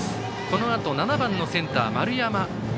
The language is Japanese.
このあと７番のセンター、丸山。